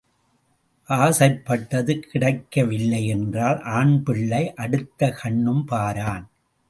ஆசைப்பட்டது கிடைக்கவில்லையென்றால் ஆண்பிள்ளை அடுத்த கண்ணும் பாரான்.